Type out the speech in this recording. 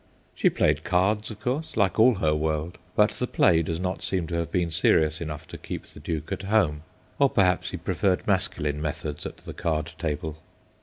She played cards, of course, like all her world ; but the play does not seem to have been serious enough to keep the Duke at home, or perhaps he preferred masculine methods at the card table.